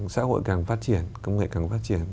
xã hội càng phát triển công nghệ càng phát triển